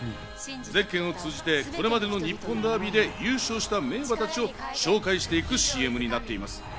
ゼッケンを通じて、これまでの日本ダービーで優勝した名馬たちを紹介していくＣＭになっています。